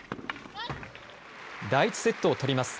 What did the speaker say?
第１セットを取ります。